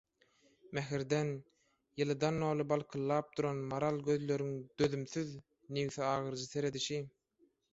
Mähirden, ýylydan doly balkyldap duran maral gözleriň dözümsiz, nebsi agyryjy seredişi.